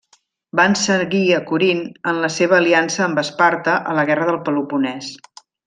Van seguir a Corint en la seva aliança amb Esparta a la guerra del Peloponès.